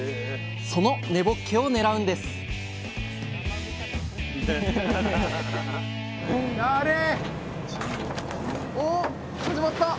その根ぼっけを狙うんですやれ。